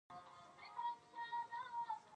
شاه شجاع پر افغانانو باندي خراج مقرر کړ.